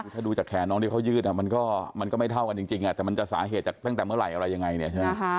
ถ้าดูจากแขนน้องที่เขายืดมันก็ไม่เท่ากันจริงแต่มันจะสาเหตุจากตั้งแต่เมื่อไหร่อะไรยังไงเนี่ยใช่ไหม